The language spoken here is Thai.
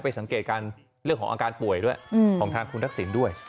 สังเกตการเรื่องของอาการป่วยด้วยของทางคุณทักษิณด้วย